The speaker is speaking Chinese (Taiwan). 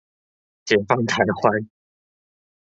解放台灣